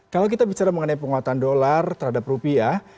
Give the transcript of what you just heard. kalau kita bicara mengenai penguatan dolar terhadap rupiah